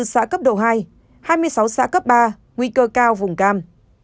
ba mươi bốn xã cấp độ hai hai mươi sáu xã cấp ba nguy cơ cao vùng cam